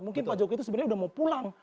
mungkin pak jokowi itu sebenarnya udah mau pulang